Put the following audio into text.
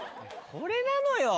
これなのよ！